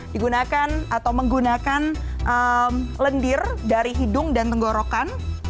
digunakan atau menggunakan lendir dari hidung dan tenggorokan